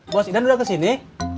bos idante udah kesini